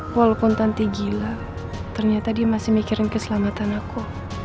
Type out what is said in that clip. walaupun tanti gila ternyata dia masih mikirin keselamatan aku